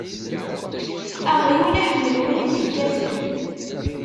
Aɣyul iḥemmel win i t-ikkaten.